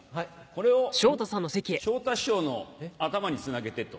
これを昇太師匠の頭につなげてと。